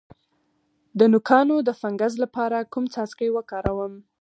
د نوکانو د فنګس لپاره کوم څاڅکي وکاروم؟